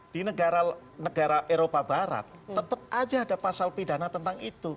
di negara negara eropa barat tetap aja ada pasal pidana tentang itu